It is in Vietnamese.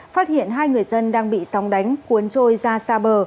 phát hiện hai người dân đang bị sóng đánh cuốn trôi ra xa bờ